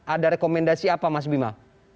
ada rekomendasi apa mas bima